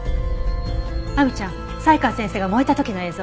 亜美ちゃん才川先生が燃えた時の映像。